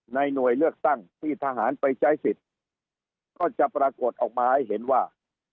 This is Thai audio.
หน่วยเลือกตั้งที่ทหารไปใช้สิทธิ์ก็จะปรากฏออกมาให้เห็นว่า